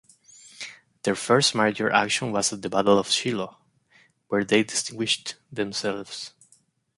Their first major action was at the Battle of Shiloh, where they distinguished themselves.